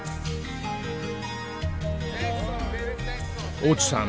大地さん